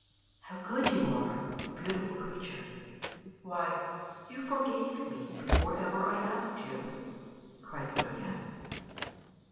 "How good you are, you beautiful creature! Why, you forgave me before ever I asked you!" cried Photogen.